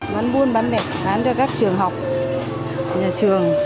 bán buôn bán lẻ bán cho các trường học